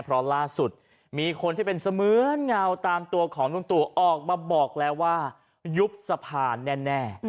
เพราะล่าสุดมีคนที่เป็นเสมือนเงาตามตัวของลุงตู่ออกมาบอกแล้วว่ายุบสะพานแน่